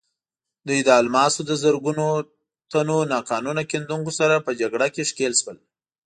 دوی د الماسو له زرګونو تنو ناقانونه کیندونکو سره په جګړه کې ښکېل شول.